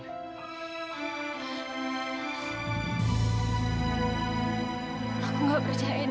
aku gak percaya do